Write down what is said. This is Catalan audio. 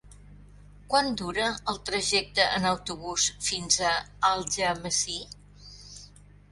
Quant dura el trajecte en autobús fins a Algemesí?